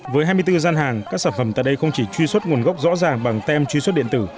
với hai mươi bốn gian hàng các sản phẩm tại đây không chỉ truy xuất nguồn gốc rõ ràng bằng tem truy xuất điện tử